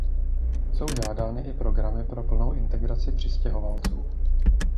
Jsou žádány i programy pro plnou integraci přistěhovalců.